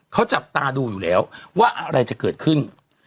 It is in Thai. เขาจับตาดูอยู่แล้วว่าอะไรจะเกิดขึ้น